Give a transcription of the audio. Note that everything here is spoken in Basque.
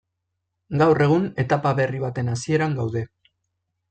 Gaur egun etapa berri baten hasieran gaude.